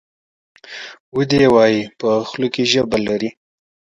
ودي وایي ! په خوله کې ژبه لري .